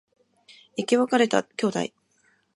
生き別れた兄弟